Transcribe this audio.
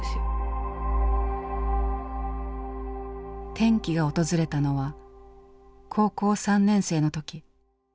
転機が訪れたのは高校３年生の時。